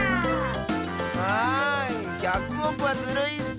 あ１００おくはずるいッス！